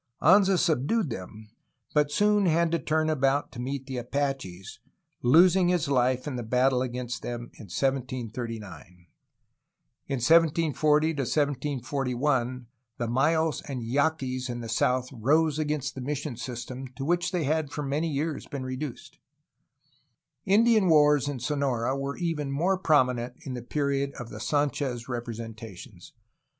Anza subdued them, but soon had to turn about to meet the Apaches, losing his life in battle against them in 202 A HISTORY OF CALIFORNIA 1739. In 1740 1741 the Mayos and Yaquis in the south rose against the mission system to which they had for many years been reduced. Indian wars in Sonora were even more prominent in the period of the Sanchez representations.